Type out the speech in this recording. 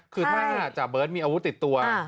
คือถ้าจ่าเบิร์ตมีอาวุธติดตัว